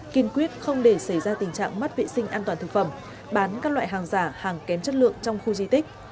kiên quyết không để xảy ra tình trạng mất vệ sinh an toàn thực phẩm bán các loại hàng giả hàng kém chất lượng trong khu di tích